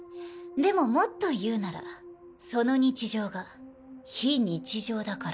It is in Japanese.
でももっと言うならその日常が非日常だからだ。